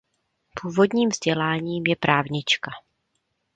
Původním vzděláním je právnička.